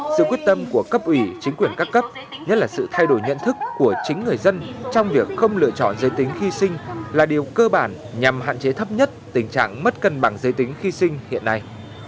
sự quyết tâm của cấp ủy chính quyền các cấp nhất là sự thay đổi nhận thức của chính người dân trong việc không lựa chọn giới tính khi sinh là điều cơ bản nhằm hạn chế thấp nhất tình trạng mất cân bằng giới tính khi sinh hiện nay